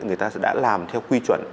người ta sẽ đã làm theo quy chuẩn